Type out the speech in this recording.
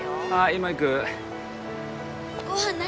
今行くご飯何？